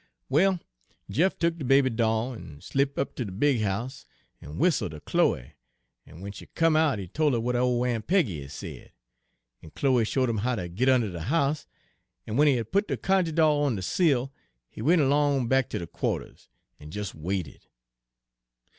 "Well, Jeff tuk de baby doll, en slip' up ter de big house, en whistle' ter Chloe, en w'en she come out he tol' 'er Page 209 w'at ole Aun' Peggy had said. En Chloe showed 'im how ter git unner de house, en w'en he had put de cunjuh doll on de sill, he went 'long back ter de qua'ters en des waited.